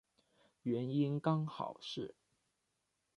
原因刚好是